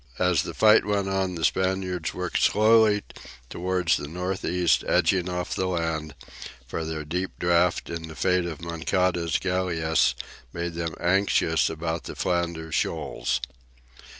As the fight went on the Spaniards worked slowly towards the north east edging off the land, for their deep draught and the fate of Moncada's galleass made them anxious about the Flanders shoals.